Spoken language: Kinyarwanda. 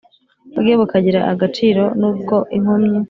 bwe bukagira agaciro n ubwo inkomyi